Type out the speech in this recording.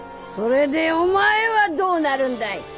それでお前はどうなるんだい？